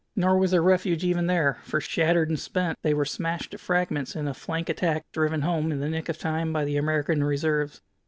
Nor was there refuge even there, for, shattered and spent, they were smashed to fragments in a flank attack driven home in the nick of time by the American reserves.